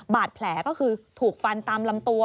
บาดแผลก็คือถูกฟันตามลำตัว